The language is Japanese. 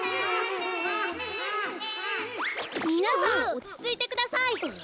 みなさんおちついてください。